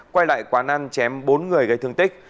quay lại quán ăn chém bốn người gây thương tích